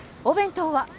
お弁当は？